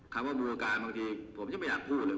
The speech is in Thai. คำว่าบูรการบางทีผมยังไม่อยากพูดเลย